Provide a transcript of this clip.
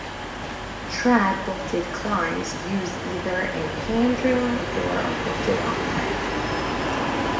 Trad bolted climbs use either a hand drill and or are bolted on lead.